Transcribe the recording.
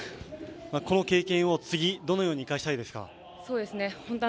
この経験を次、どのように生かしたいですか？